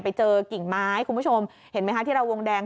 ไปเจอกิ่งไม้คุณผู้ชมเห็นไหมคะที่เราวงแดง